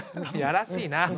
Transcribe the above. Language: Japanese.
やらしいな。